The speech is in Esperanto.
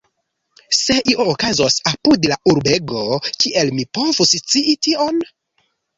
Se io okazos apud la urbego, kiel mi povus scii tion?